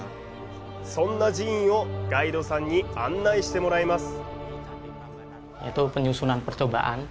そんな寺院をガイドさんに案内してもらいます。